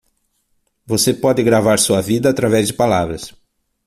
Você pode gravar sua vida através de palavras